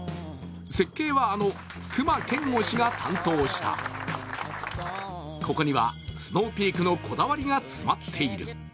設計は、あの隈研吾氏が担当したここにはスノーピークのこだわりが詰まっている。